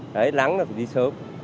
đấy lắng là phải đi sớm